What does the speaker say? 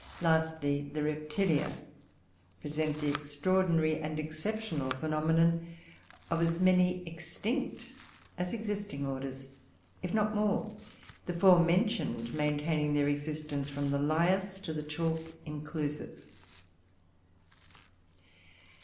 Lastly, the Reptilia present the extraordinary and exceptional phenomenon of as many extinct as existing orders, if not more; the four mentioned maintaining their existence from the Lias to the Chalk inclusive.